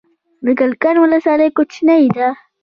د کلکان ولسوالۍ کوچنۍ ده